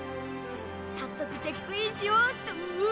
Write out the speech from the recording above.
さっそくチェックインしよっとうわ！